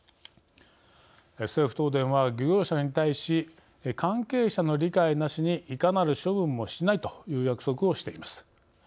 政府・東電は漁業者に対し「関係者の理解なしにいかなる処分もしない」という約束をしています。